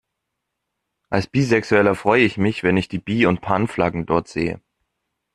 Als Bisexueller freu ich mich, wenn ich die Bi- und Pan-Flaggen dort sehe.